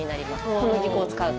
小麦粉を使うと。